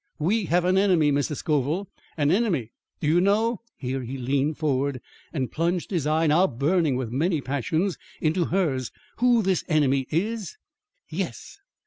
We have an enemy, Mrs. Scoville, an enemy! Do you know" here he leaned forward, and plunged his eye, now burning with many passions, into hers "who this enemy is?" "Yes."